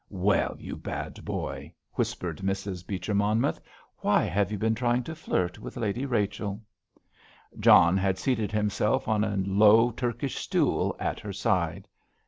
"Well, you bad boy," whispered Mrs. Beecher Monmouth, "why have you been trying to flirt with Lady Rachel?" John had seated himself on a low Turkish stool at her side.